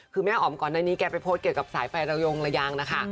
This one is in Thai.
คือแม่อ๋อมก่อนหน้านี้แกไปโพสต์เกี่ยวกับสายไฟระยงระยางนะคะ